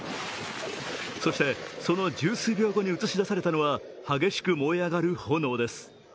そして、その十数秒後に映し出されたのは激しく燃え上がる炎です。